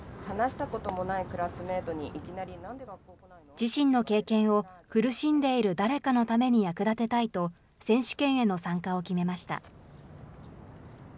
自身の経験を苦しんでいる誰かのために役立てたいと、選手権への参加を決めました。